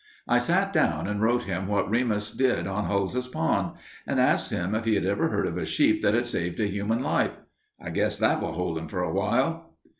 I sat down and wrote him what Remus did on Hulse's Pond, and asked him if he had ever heard of a sheep that had saved a human life. I guess that will hold him for awhile."